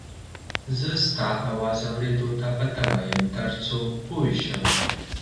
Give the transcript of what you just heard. زه ستا اواز اورېدو ته په تمه یم تر څو پوی شم